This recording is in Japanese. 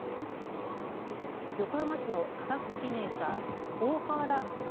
横浜市の化学機器メーカー、大川原化